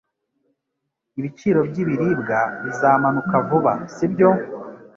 Ibiciro byibiribwa bizamanuka vuba, sibyo?